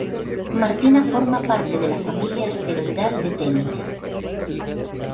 Martina forma parte de la familia asteroidal de Temis.